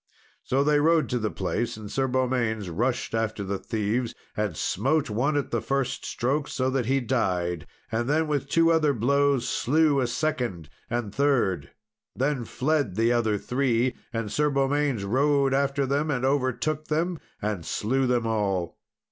So they rode to the place, and Sir Beaumains rushed after the thieves, and smote one, at the first stroke, so that he died; and then, with two other blows, slew a second and third. Then fled the other three, and Sir Beaumains rode after them, and overtook and slew them all.